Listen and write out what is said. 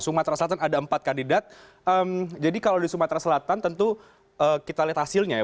sumatera selatan ada empat kandidat jadi kalau di sumatera selatan tentu kita lihat hasilnya ya